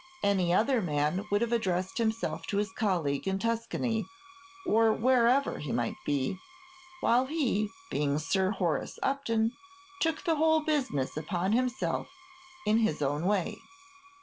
Any other man would have addressed himself to his colleague in Tuscany, or wherever he might be; while he, being Sir Horace Upton, took the whole business upon himself in his own way.